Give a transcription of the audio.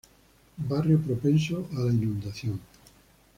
Barrio propenso a la inundación.